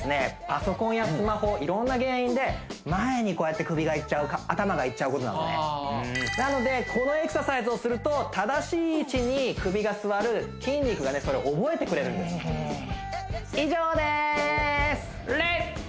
パソコンやスマホいろんな原因で前にこうやって首がいっちゃう頭がいっちゃうことなのねなのでこのエクササイズをすると正しい位置に首が据わる筋肉がそれを覚えてくれるんです以上ですレッツ！